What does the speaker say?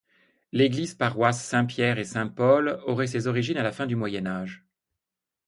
L’église paroisse Saint-Pierre-et-Saint-Paul aurait ses origines à la fin du Moyen Âge.